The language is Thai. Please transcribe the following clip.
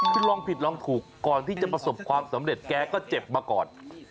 คือลองผิดลองถูกก่อนที่จะประสบความสำเร็จแกก็เจ็บมาก่อน